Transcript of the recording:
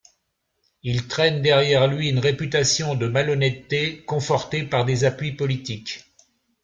Il traîne derrière lui une réputation de malhonnêteté confortée par des appuis politiques.